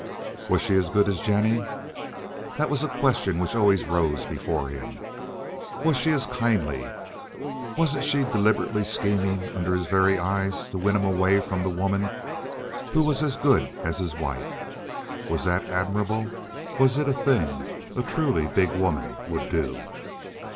Was she as good as Jennie? That was a question which always rose before him. Was she as kindly? Wasn't she deliberately scheming under his very eyes to win him away from the woman who was as good as his wife? Was that admirable? Was it the thing a truly big woman would do?